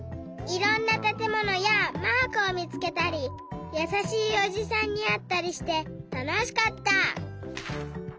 いろんなたてものやマークをみつけたりやさしいおじさんにあったりしてたのしかった！